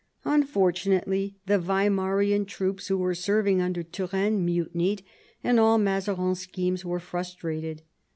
Unfortunately the Weimarian troops who were serving under Turenne mutinied, and all Mazarin's schemes were frustrated.